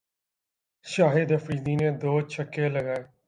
شاہد آفریدی نے دو چھکے لگائے